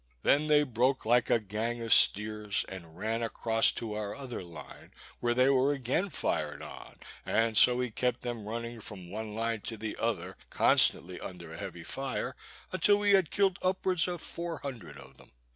They then broke like a gang of steers, and ran across to our other line, where they were again fired on; and so we kept them running from one line to the other, constantly under a heavy fire, until we had killed upwards of four hundred of them.